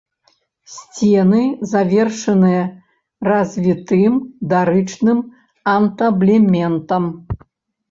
Сцены завершаныя развітым дарычным антаблементам.